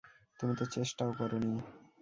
তুমি তো চেষ্টাও করোনি।